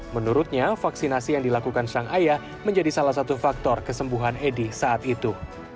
menurutnya vaksinasi yang dilakukan sang ayah menjadi salah satu faktor kesembuhan edi saat itu